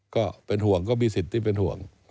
ก็เป็นห่วงก็มีสิทธิ์ที่เป็นห่วง